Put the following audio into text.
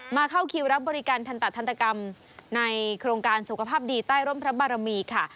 เข้าคิวรับบริการทันตทันตกรรมในโครงการสุขภาพดีใต้ร่มพระบารมีค่ะ